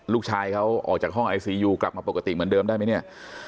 ลูกชายเขาออกจากห้องไอซียูกลับมาปกติเหมือนเดิมได้ไหมเนี่ย